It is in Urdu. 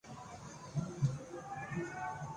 عزیر جسوال نے اداکاری کے میدان میں قدم رکھ لیا